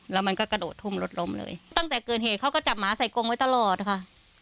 แล้วมันก็กระโดดทุ่มรถล้มเลยตั้งแต่เกิดเหตุเขาก็จับหมาใส่กงไว้ตลอดค่ะ